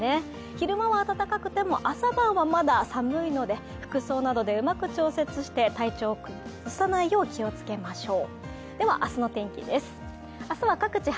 昼間は暖かくても朝晩はまだ寒いので服装などでうまく調節して体調を崩さないよう気をつけましょう。